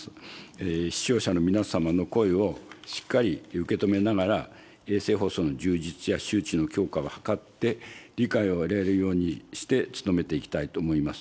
視聴者の皆様の声をしっかり受け止めながら、衛星放送の充実や周知の強化を図って、理解を得られるようにして、努めていきたいと思います。